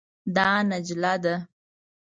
دا نجله ده.